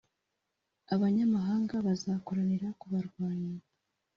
Abanyamahanga bazakoranira kubarwanya,